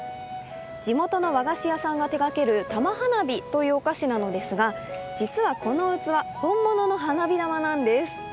地元の和菓子屋さんが手がける玉花火というお菓子なんですが実はこの器、本物の花火玉なんです